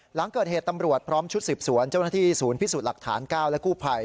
หลังเกิดเหตุตำรวจพร้อมชุดสืบสวนเจ้าหน้าที่ศูนย์พิสูจน์หลักฐาน๙และกู้ภัย